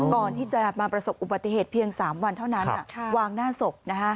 ก่อนที่จะมาประสบอุบัติเหตุเพียง๓วันเท่านั้นวางหน้าศพ